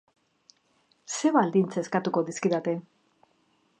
Zer baldintza eskatuko dizkidate?